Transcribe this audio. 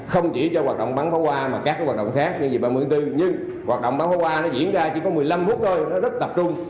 hoạt động bán pháo hoa nó diễn ra chỉ có một mươi năm phút thôi nó rất tập trung